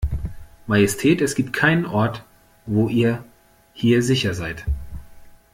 Majestät, es gibt keinen Ort, wo ihr hier sicher seid.